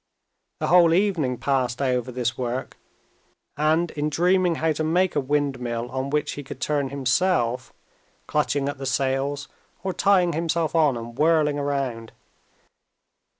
The whole evening passed over this work and in dreaming how to make a windmill on which he could turn himself—clutching at the sails or tying himself on and whirling round.